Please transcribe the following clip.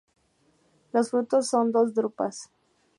Los frutos son dos drupas.